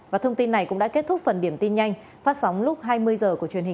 và thông tin này cũng đã kết thúc phần điểm tin nhanh